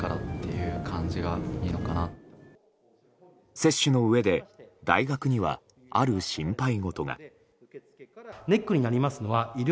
接種のうえで大学にはある心配事が。